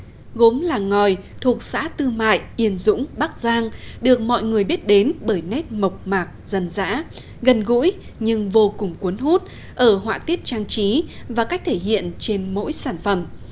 cách hà nội bảy mươi km gốm làng ngòi thuộc xã tư mại yên dũng bắc giang được mọi người biết đến bởi nét mộc mạc dần dã gần gũi nhưng vô cùng cuốn hút ở họa tiết trang trí và cách thể hiện trên mỗi sản phẩm